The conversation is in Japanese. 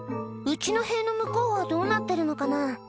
「うちの塀の向こうはどうなってるのかな？」